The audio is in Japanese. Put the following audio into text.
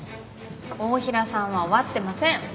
太平さんは終わってません！